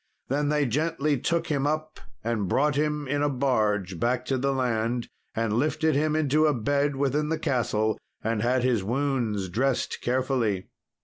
Then they gently took him up and brought him in a barge back to the land, and lifted him into a bed within the castle, and had his wounds dressed carefully.